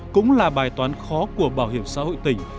cũng là bài toán khó của bảo hiểm xã hội tỉnh